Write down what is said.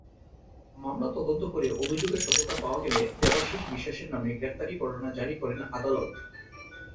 মামলা তদন্ত করে অভিযোগের সত্যতা পাওয়া গেলে দেবাশীষ বিশ্বাসের নামে গ্রেফতারী-পরোয়ানা জারি করেন আদালত।